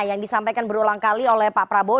yang disampaikan berulang kali oleh pak prabowo